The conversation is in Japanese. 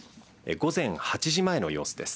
午前８時前の様子です。